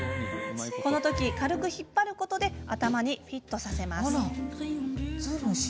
このとき軽く引っ張ることで頭にフィットさせます。